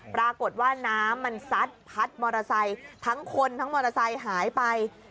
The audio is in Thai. ปรากฏว่าน้ำมันซัดพัดมอเตอร์ไซค์ทั้งคนทั้งมอเตอร์ไซค์หายไป